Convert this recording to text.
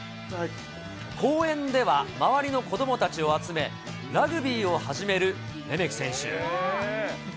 公園では、周りの子どもたちを集め、ラグビーを始めるレメキ選手。